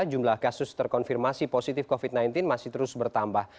jumlah kasus terkonfirmasi positif covid sembilan belas masih terus bertambah